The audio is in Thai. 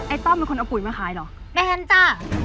ไอ้ต้อมมันคนอบปุ่นมาขายเหรอแมนจ้ะ